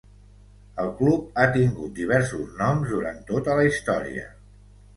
El club ha tingut diversos noms durant tota la història.